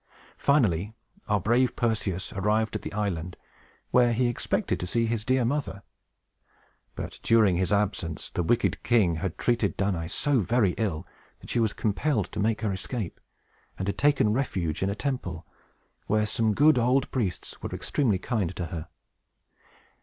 Finally, our brave Perseus arrived at the island, where he expected to see his dear mother. But, during his absence, the wicked king had treated Danaë so very ill that she was compelled to make her escape, and had taken refuge in a temple, where some good old priests were extremely kind to her.